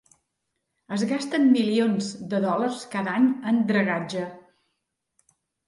Es gasten milions de dòlars cada any en dragatge.